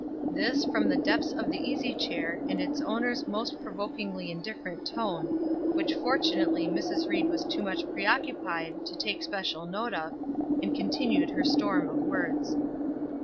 This, from the depths of the easy chair, in its owner's most provokingly indifferent tone, which fortunately Mrs. Ried was too much preoccupied to take special note of, and continued her storm of words.